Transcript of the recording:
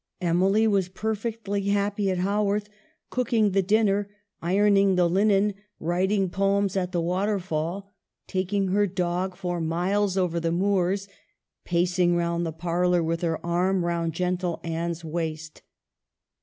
Emily was perfectly happy at Haworth, cooking the dinner, ironing the linen, writing poems at the Waterfall, taking her dog for miles over the moors, pacing round the parlor with her arm round gentle Anne's waist.